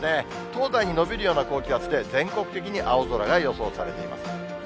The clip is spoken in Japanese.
東西に延びるような高気圧で、全国的に青空が予想されています。